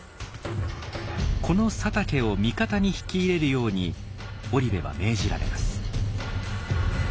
この佐竹を味方に引き入れるように織部は命じられます。